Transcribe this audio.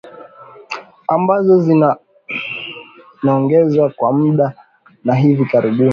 ambazo zinaongezewa kwa muda na hivi karibuni